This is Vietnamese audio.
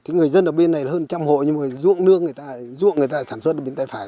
người dân ở bên này hơn trăm hộ nhưng dụng nước người ta sản xuất ở bên tay phải